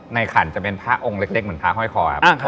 ขันจะเป็นพระองค์เล็กเหมือนพระห้อยคอครับ